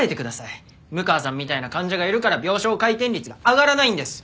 六川さんみたいな患者がいるから病床回転率が上がらないんです。